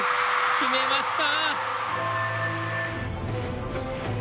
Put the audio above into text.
決めました！